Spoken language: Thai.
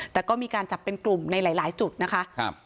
แต่ก็มีการจับเป็นกลุ่มในหลายจุดนะคะ